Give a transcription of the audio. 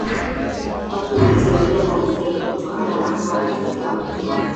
Watu hulitembelea Kanisa hilo kutokana na kuwa na historia kubwa